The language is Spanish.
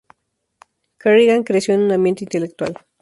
Kerrigan creció en un ambiente intelectual.